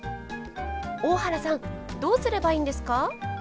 大原さんどうすればいいんですか？